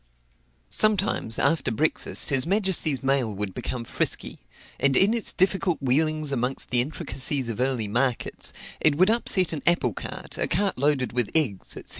Sometimes after breakfast his majesty's mail would become frisky: and in its difficult wheelings amongst the intricacies of early markets, it would upset an apple cart, a cart loaded with eggs, &c.